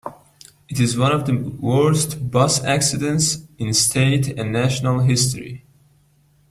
It is one of the worst bus accidents in state and national history.